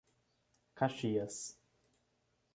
Caxias